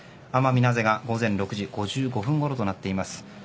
奄美名瀬が午前６時５５分ごろとなっています。